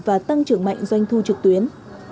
và tăng trưởng mạnh doanh thu trực tuyến